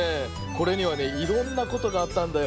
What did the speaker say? これにはねいろんなことがあったんだよ。